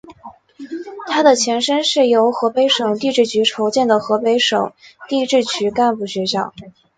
他的前身是由河北省地质局筹建的河北省地质局干部学校。